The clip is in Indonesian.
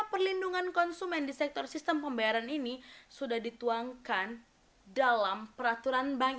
perlindungan konsumen di sektor sistem pembayaran ini sudah dituangkan dalam peraturan bank